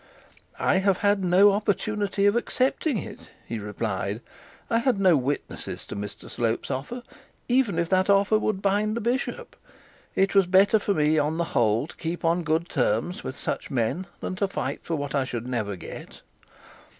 'I have had no opportunity of accepting it,' he replied. 'I had no witnesses to Mr Slope's offer, even if that offer would bind the bishop. It was better for me, on the whole, to keep on good terms with such men than to fight for what I should never get!'